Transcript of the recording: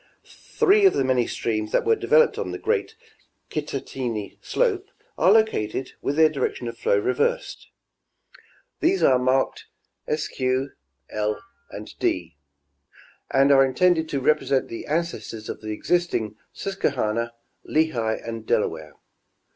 Three of the many streams that were developed on the great Kittatinny slope are located, with their direction of flow reversed ; these are marked Sq, L and D, and are intended to represent the ancestors of the existing Susquehanna, Lehigh and Delaware.